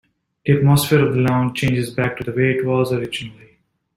The atmosphere of the lounge changes back to the way it was originally.